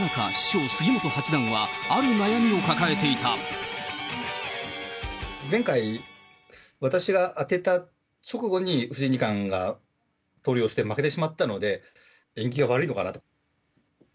そんな中、師匠、前回、私が当てた直後に藤井二冠が投了して負けてしまったので、縁起が悪いのかなと。